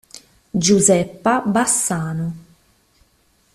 Giuseppa Bassano